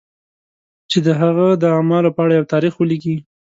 چې د هغه د اعمالو په اړه یو تاریخ ولیکي.